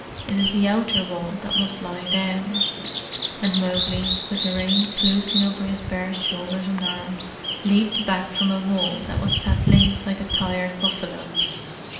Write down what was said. "It is the outer wall that must lie down," and Mowgli, with the rain sluicing over his bare shoulders and arms, leaped back from a wall that was settling like a tired buffalo.